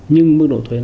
nhưng mức độ thuế